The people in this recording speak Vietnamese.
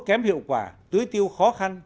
kém hiệu quả tưới tiêu khó khăn